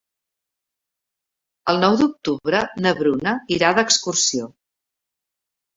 El nou d'octubre na Bruna irà d'excursió.